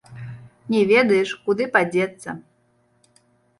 Не ведаеш, куды падзецца.